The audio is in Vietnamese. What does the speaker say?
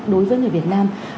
đối với người việt nam